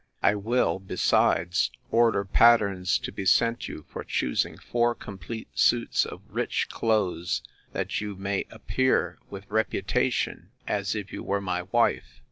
I will, besides, order patterns to be sent you for choosing four complete suits of rich clothes, that you may appear with reputation, as if you were my wife.